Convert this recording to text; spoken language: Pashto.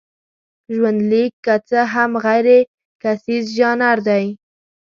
ژوندلیک که څه هم غیرکیسیز ژانر دی.